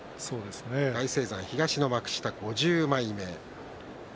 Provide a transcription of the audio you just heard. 大青山、東の幕下５０枚目。